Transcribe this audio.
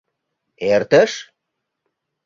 Эртыш?